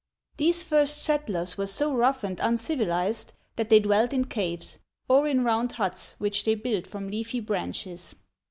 These first settlers were so rough and uncivilized that they dwelt in caves, or in round huts which they built from leafy branches.